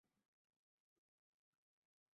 এটাই হচ্ছে সেই নিরেট প্রমাণ যেটা আমেরিকার প্রয়োজন ছিল।